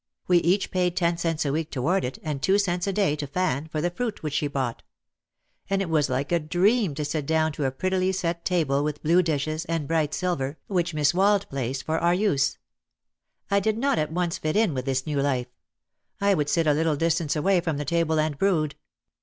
We each paid ten cents a week toward it and two cents a day to Fan for the fruit which she bought. And it was like a dream to sit down to a prettily set table with blue dishes, and bright silver, which Miss Wald placed for our use. I did not at once fit in with this new life. I would sit a little distance away from the table and brood.